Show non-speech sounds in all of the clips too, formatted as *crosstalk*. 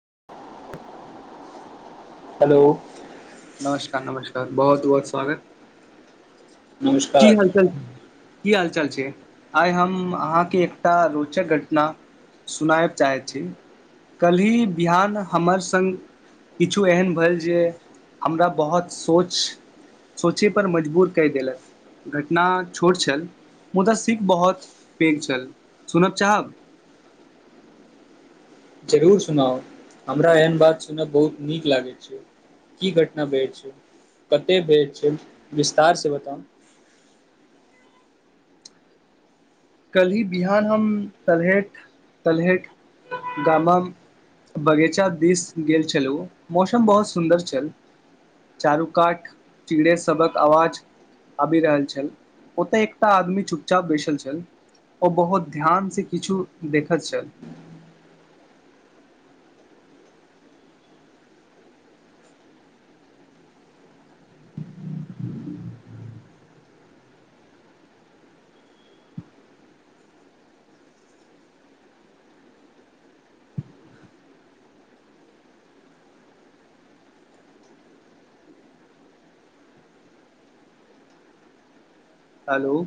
*inaudible* *inaudible* हलो नमस्कार नमस्कार बहुत बहुत स्वागत की नमस्कार हाल चाल की हालचाल छैक आइ हम अहाँके एकटा रोचक घटना सुनाय चाहैत छी कल्हि बिहान हमर सङ्ग किछु एहन भेल जे हमरा बहुत सोच सोचय पर मजबूर कय देलक घटना छोट छल मुदा सिकख बहुत पेघ छल सुनय चाहब जरूर सुनाउ हमरा एहन बात सुनय बहुत नीक लागय छैक की घटना भेल छै कतय भेल छैक विस्तारसँ बताउ कल्हि बिहान हम तलहे तलहेट गामा बगीचा दिस गेल छलहुँ मौसम बहुत सुन्दर छल चारू कात चिड़ै सबक आवाज आबि रहल छल ओतय एकटा आदमी चुपचाप बैसल छल ओ बहुत ध्यान से किछु देखैत छल हलो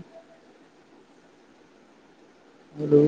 हलो